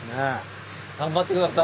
頑張って下さい！